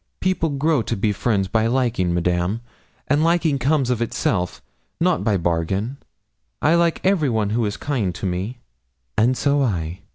'People grow to be friends by liking, Madame, and liking comes of itself, not by bargain; I like every one who is kind to me.' 'And so I.